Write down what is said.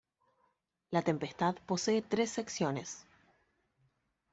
La Tempestad posee tres secciones.